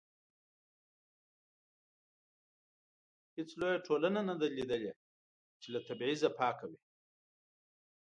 هیڅ لویه ټولنه نه ده لیدلې چې له تبعیض پاکه وي.